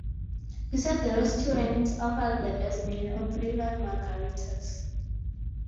He said the restaurant offers the "best menu of flavored margaritas".